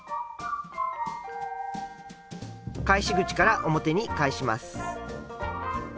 返し口から表に返します。